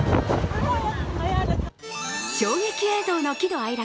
衝撃映像の喜怒哀楽。